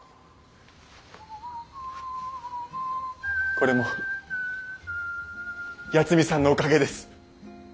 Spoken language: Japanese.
これも八海さんのおかげです。